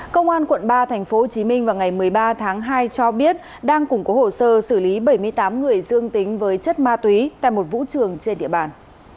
công an quận ba tp hcm vào ngày một mươi ba tháng hai cho biết đang củng cố hồ sơ xử lý bảy mươi tám người dương tính với chất ma túy tại một vũ trường trên địa bàn